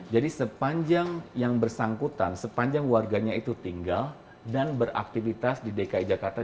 jadi sepanjang yang bersangkutan sepanjang warganya itu tinggal dan beraktivitas di dki jakarta